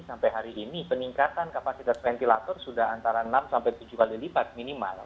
sampai hari ini peningkatan kapasitas ventilator sudah antara enam sampai tujuh kali lipat minimal